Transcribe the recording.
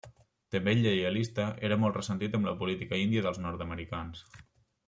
També lleialista, era molt ressentit amb la política índia dels nord-americans.